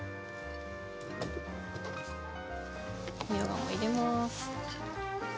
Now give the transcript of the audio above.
みょうがも入れます。